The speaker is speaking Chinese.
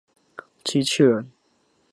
机器人。